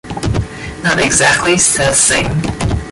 ‘Not exactly,’ said Sam.